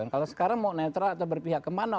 kalau sekarang mau netral atau berpihak kemana